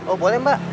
oh boleh mbak